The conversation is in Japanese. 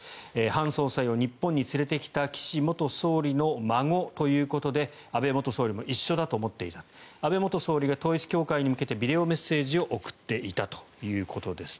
ハン総裁を日本に連れてきた岸元総理の孫ということで安倍元総理も一緒だと思っていた安倍元総理が統一教会に向けてビデオメッセージを送っていたということです。